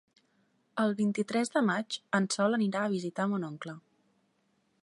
El vint-i-tres de maig en Sol anirà a visitar mon oncle.